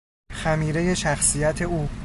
خمیرهی شخصیت او